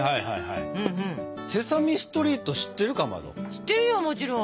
知ってるよもちろん。